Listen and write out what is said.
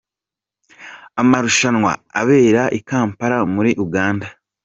Amarushanwa abera i Kampala muri Uganda.